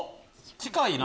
近いな。